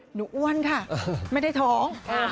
อ้วนค่ะไม่ได้ท้อง